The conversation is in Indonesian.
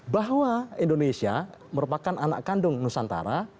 bahwa indonesia merupakan anak kandung nusantara